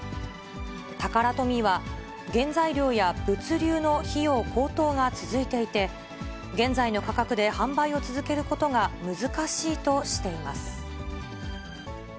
タカラトミーは、原材料や物流の費用高騰が続いていて、現在の価格で販売を続けることが難しいとしています。